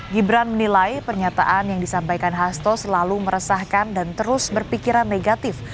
gibran menilai pernyataan yang disampaikan hasto selalu meresahkan dan terus berpikiran negatif